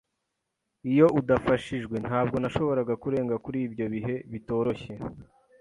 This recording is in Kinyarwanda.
Iyo udafashijwe, ntabwo nashoboraga kurenga kuri ibyo bihe bitoroshye.